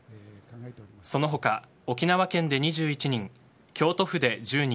その他、沖縄県で２１人京都府で１０人